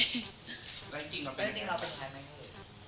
แล้วจริงเราเป็นแทนไหม